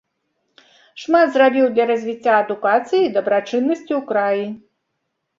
Шмат зрабіў для развіцця адукацыі і дабрачыннасці ў краі.